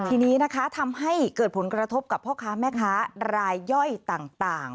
ทีนี้นะคะทำให้เกิดผลกระทบกับพ่อค้าแม่ค้ารายย่อยต่าง